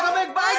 bawa semua aja hah